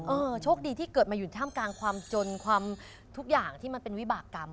โชคดีที่เกิดมาอยู่ท่ามกลางความจนความทุกอย่างที่มันเป็นวิบากรรม